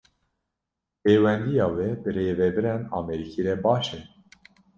Pêwendiya we bi birêvebirên Amerîkî re baş e